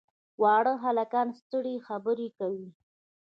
واړه هلکان سترې خبرې کوي.